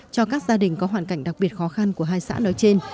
cho các gia đình có hoàn cảnh đặc biệt khó khăn của hai xã nói trên